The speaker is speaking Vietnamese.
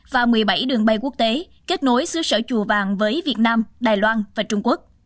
và một mươi bảy đường bay quốc tế kết nối xứ sở chùa vàng với việt nam đài loan và trung quốc